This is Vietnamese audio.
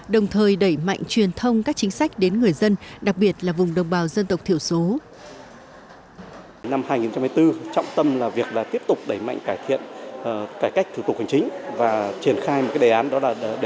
đồng thời đẩy mạnh truyền thông các chính sách đến người dân đặc biệt là vùng đồng bào dân tộc thiểu số